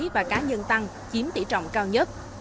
và cá nhân tăng chiếm tỷ trọng cao nhất